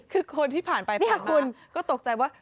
คือคนที่ผ่านไปถ้าคุณก็ตกใจว่า